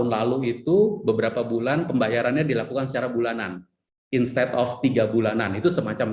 lalu itu beberapa bulan pembayarannya dilakukan secara bulanan instead of tiga bulanan itu semacam